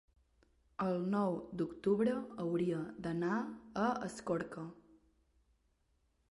El nou d'octubre hauria d'anar a Escorca.